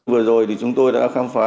vừa rồi thì chúng tôi đã khám phá